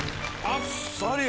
あっさり？